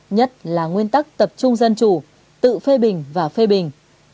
nhất là nguyên tắc tập trung dân chủ tự phê bình và phê bình